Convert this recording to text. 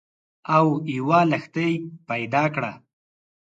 او یوه لښتۍ پیدا کړه